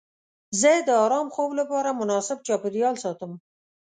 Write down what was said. زه د ارام خوب لپاره مناسب چاپیریال ساتم.